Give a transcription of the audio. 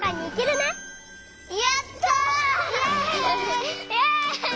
イエイ！